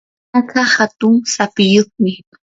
maka hatun sapiyuqmi.